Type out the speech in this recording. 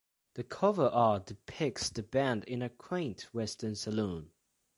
The cover art depicts the band in a quaint western saloon.